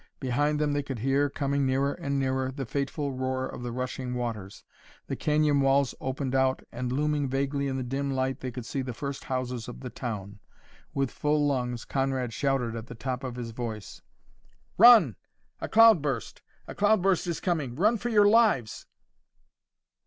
Behind them they could hear, coming nearer and nearer, the fateful roar of the rushing waters. The canyon walls opened out, and, looming vaguely in the dim light, they could see the first houses of the town. With full lungs Conrad shouted at the top of his voice: "Run! A cloudburst! A cloudburst is coming! Run for your lives!"